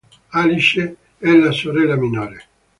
Alice è la sorella minore.